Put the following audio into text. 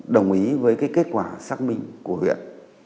đồng ý với kết quả xác minh của huyện